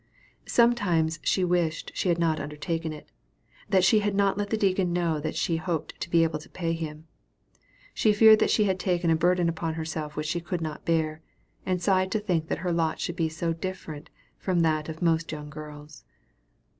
Sometimes she wished she had not undertaken it, that she had not let the deacon know that she hoped to be able to pay him; she feared that she had taken a burden upon herself which she could not bear, and sighed to think that her lot should be so different from that of most young girls.